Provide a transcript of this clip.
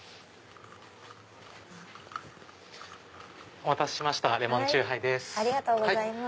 お待たせしましたレモンチューハイです。